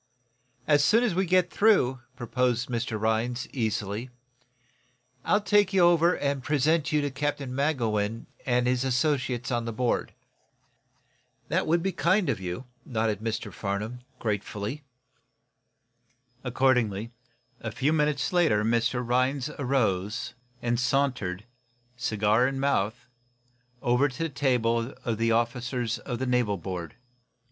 "As soon as we get through," proposed Mr. Rhinds, easily, "I'll take you over and present you to Captain Magowan and his associates on the board." "That is kind of you," nodded Mr. Farnum, gratefully. Accordingly, a few minutes later, Mr. Rhinds arose, sauntering, cigar in mouth, over to the table of the officers of the naval board.